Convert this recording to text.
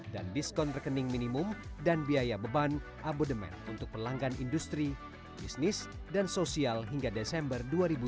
dan diskon rekening minimum dan biaya beban abodement untuk pelanggan industri bisnis dan sosial hingga desember dua ribu dua puluh satu